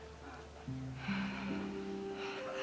apa aku minta pendapatnya rumana aja ya